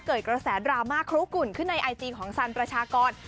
เกิดกระแสดราม่าคลุกุ่นขึ้นในไอจีของสันประชากร